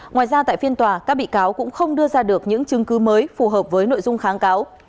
ngoài ra tại phiên tòa các bị cáo cũng không đưa ra được những chứng cứ mới phù hợp với nội dung kháng cáo